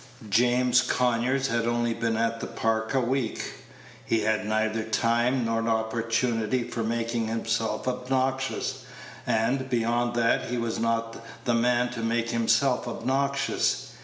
James Conyers had only been at the Park a week. He had had neither time nor opportunity for making himself obnoxious; and, beyond that, he was not the man to make himself obnoxious.